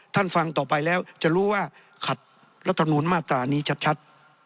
ฟังต่อไปแล้วจะรู้ว่าขัดรัฐมนูลมาตรานี้ชัด